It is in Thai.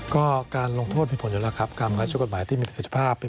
ก็การลงโทษมีผลอยู่แล้วครับ